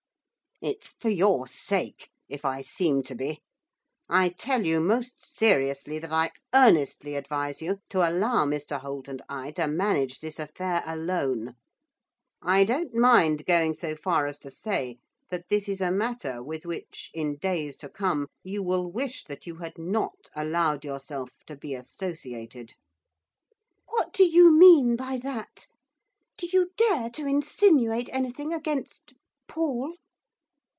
'It's for your sake, if I seem to be. I tell you most seriously, that I earnestly advise you to allow Mr Holt and I to manage this affair alone. I don't mind going so far as to say that this is a matter with which, in days to come, you will wish that you had not allowed yourself to be associated.' 'What do you mean by that? Do you dare to insinuate anything against Paul?